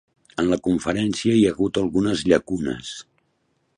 En la conferència hi ha hagut algunes llacunes.